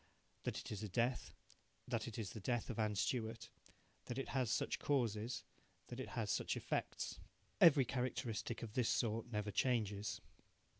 That it is a death, that it is the death of Anne Stuart, that it has such causes, that it has such effects every characteristic of this sort never changes.